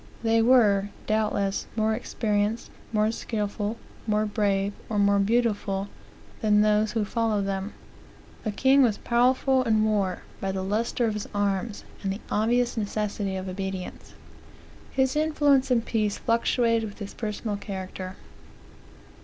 They were, doubtless, more experienced, more skillful, more brave, or more beautiful, than those who followed them. A king was powerful in war by the lustre of his arms, and the obvious necessity of obedience. His influence in peace fluctuated with his personal character.